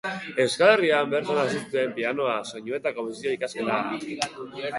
Euskal Herrian bertan hasi zituen piano, soinu eta konposizio ikasketak.